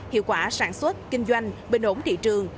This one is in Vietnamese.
hiệu quả sản xuất kinh doanh bình ổn thị trường